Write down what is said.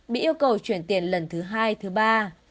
bị yêu cầu chuyển tiền lần thứ hai thứ ba